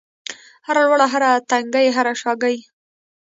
هره لوړه، هر تنګی هره شاګۍ